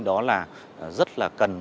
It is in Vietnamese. đó là rất là cần